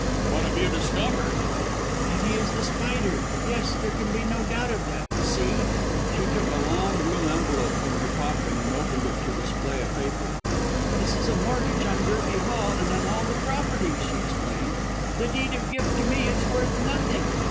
"What have you discovered?" "That he is The Spider. Yes; there can be no doubt of that. See!" She took a long blue envelope from her pocket and opened it to display a paper. "This is a mortgage on Gerby Hall and on all the property," she explained. "The Deed of Gift to me is worth nothing.